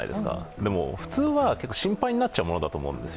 でも普通は心配になっちゃうものだと思うんですよ。